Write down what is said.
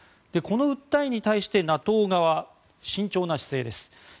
この訴えに対してＮＡＴＯ側慎重な姿勢です。